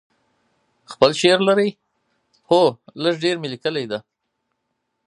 خپل شعر لرئ؟ هو، لږ ډیر می لیکلي ده